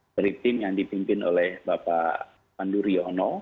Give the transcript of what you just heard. dari tim yang dipimpin oleh bapak pandu riono